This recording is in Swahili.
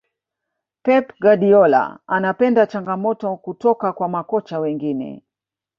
pep guardiola anapenda changamoto kutoka kwa makocha wengine